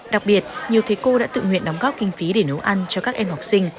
đặc biệt nhiều thầy cô đã tự nguyện đóng góp kinh phí để nấu ăn cho các em học sinh